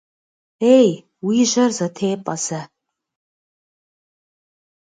Ей, уи жьэр зэтепӏэ зэ!